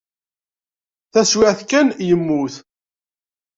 Taswiɛt kan yemmut.